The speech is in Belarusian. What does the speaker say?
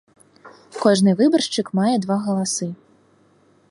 Кожны выбаршчык мае два галасы.